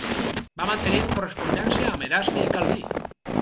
Va mantenir correspondència amb Erasme i Calví.